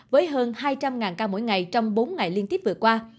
với hơn hai trăm linh ca mỗi ngày trong bốn ngày liên tiếp vừa qua